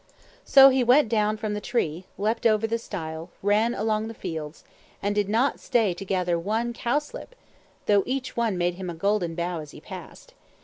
So he went down from the tree, leapt over the stile, ran along the fields, and did not stay to gather one cowslip, though each one made him a golden bow as he passed.